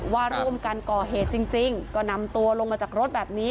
ว่าร่วมกันก่อเหตุจริงก็นำตัวลงมาจากรถแบบนี้